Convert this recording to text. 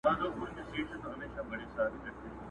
د جهاني عمر به وروسته نذرانه دروړمه.!